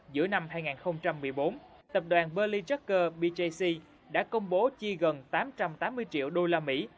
giữa năm hai nghìn một mươi bốn tập đoàn berlie traucker bjc đã công bố chi gần tám trăm tám mươi triệu đô la mỹ